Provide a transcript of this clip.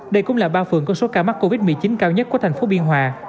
đây cũng là ba phường có số ca mắc covid một mươi chín cao nhất của thành phố biên hòa